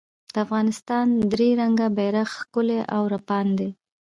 د افغانستان درې رنګه بېرغ ښکلی او رپاند دی